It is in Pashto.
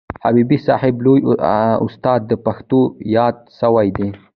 حبیبي صاحب لوی استاد د پښتو یاد سوی دئ.